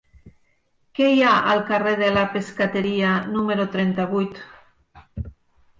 Què hi ha al carrer de la Pescateria número trenta-vuit?